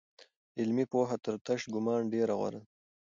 علمي پوهه تر تش ګومان ډېره غوره ده.